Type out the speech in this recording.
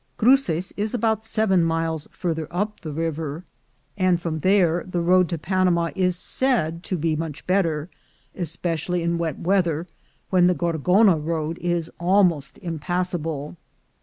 Cruces is about seven miles farther up the river, and from there the road to Panama is said to be much better, especially in wet weather, when the Gorgona road is almost impassable.